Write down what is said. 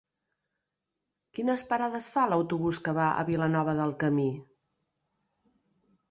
Quines parades fa l'autobús que va a Vilanova del Camí?